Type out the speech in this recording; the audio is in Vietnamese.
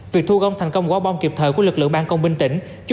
việc thu gom thành công quả bom kịp thời của lực lượng ban công binh tỉnh